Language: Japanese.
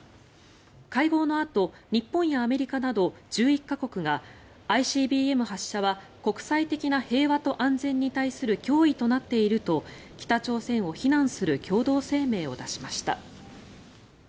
会合のあと日本やアメリカなど１１か国がＩＣＢＭ発射は国際的な平和と安全に対する脅威となっていると北朝鮮を非難する共同声明を出しました。